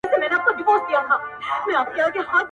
زما او ستا دي له دې وروسته شراکت وي،